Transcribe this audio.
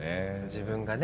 自分がね。